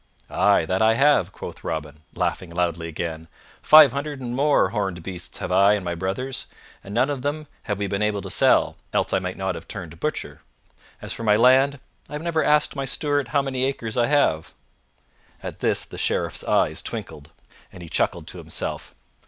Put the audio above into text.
"Ay, that have I," quoth Robin, laughing loudly again, "five hundred and more horned beasts have I and my brothers, and none of them have we been able to sell, else I might not have turned butcher. As for my land, I have never asked my steward how many acres I have." At this the Sheriff's eyes twinkled, and he chuckled to himself.